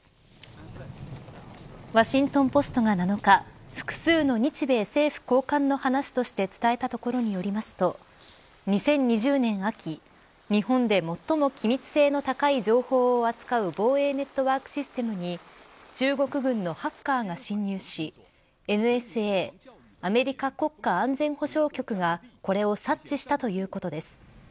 ワシントン・ポストが７日複数の日米政府高官の話として伝えたところによりますと２０２０年秋、日本で最も機密性の高い情報を扱う防衛ネットワークシステムに中国軍のハッカーが侵入しＮＳＡ＝アメリカ国家安全保障局がこれを察知したということです。